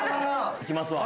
行きますわ。